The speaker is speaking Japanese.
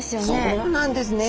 そうなんですね。